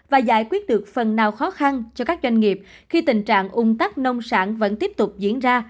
và giải quyết được phần nào khó khăn cho các doanh nghiệp khi tình trạng ung tắc nông sản vẫn tiếp tục diễn ra